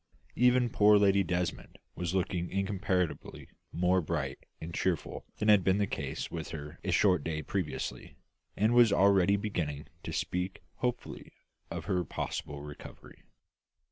Even poor Lady Desmond was looking incomparably more bright and cheerful than had been the case with her a short day previously, and was already beginning to speak hopefully of her possible recovery.